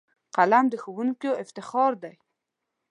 قلم د ښوونکیو افتخار دی